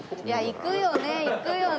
行くよね行くよね